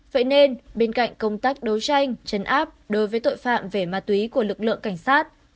vậy nên bên cạnh công tác đấu tranh chấn áp đối với tội phạm về ma túy của lực lượng cảnh sát